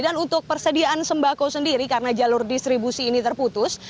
dan untuk persediaan sembako sendiri karena jalur distribusi ini terputus